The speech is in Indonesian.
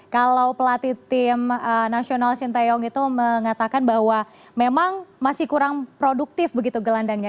kalau pelatih tim nasional shin taeyong itu mengatakan bahwa memang masih kurang produktif begitu gelandangnya